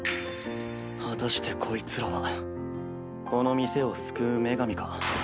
果たしてこいつらはこの店を救う女神か